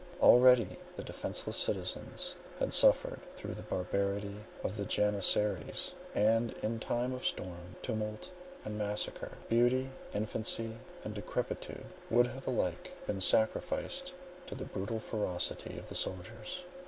Already the defenceless citizens had suffered through the barbarity of the Janisaries; and, in time of storm, tumult and massacre, beauty, infancy and decrepitude, would have alike been sacrificed to the brutal ferocity of the soldiers.